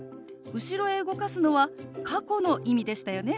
後ろへ動かすのは過去の意味でしたよね。